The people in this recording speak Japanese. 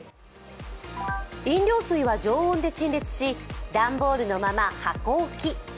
飲料水は常温で陳列し段ボールのまま箱置き。